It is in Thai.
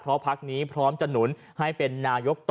เพราะพักนี้พร้อมจะหนุนให้เป็นนายกต่อ